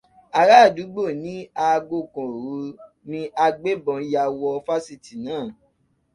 Àrá àdúgbò ní aago kan òru ní agbébọn ya wọ Fáṣítì náà.